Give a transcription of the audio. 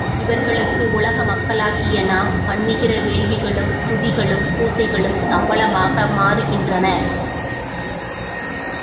இவர்களுக்கு உலக மக்களாகிய நாம் பண்ணுகிற வேள்விகளும், துதிகளும், பூசைகளும் சம்பளமாக மாறுகின்றன.